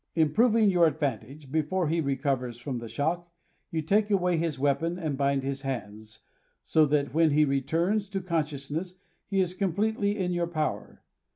Improving your advantage, before he recovers from the shock, you take away his weapon and bind his hands, so that when he returns to consciousness he is completely in your power.